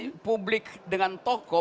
karena relasi publik dengan tokoh